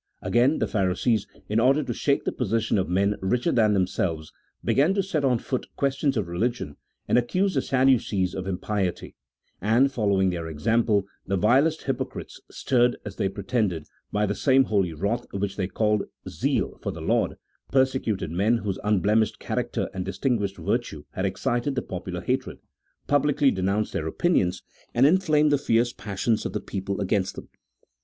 Again, the Pharisees, in order to shake the position of men richer than themselves, began to set on foot questions of religion, and accused the Sadducees of impiety, and, following their example, the vilest hypo crites, stirred, as they pretended, by the same holy wrath which they called zeal for the Lord, persecuted men whose unblemished character and distinguished virtue had excited the popular hatred, publicly denounced their opinions, and inflamed the fierce passions of the people against them.